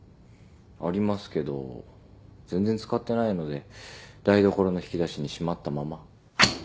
ありますけど全然使ってないので台所の引き出しにしまったまま。